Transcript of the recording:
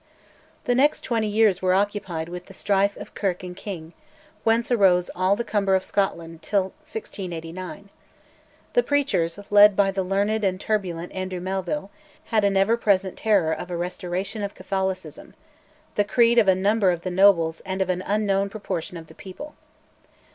The next twenty years were occupied with the strife of Kirk and King, whence arose "all the cumber of Scotland" till 1689. The preachers, led by the learned and turbulent Andrew Melville, had an ever present terror of a restoration of Catholicism, the creed of a number of the nobles and of an unknown proportion of the people.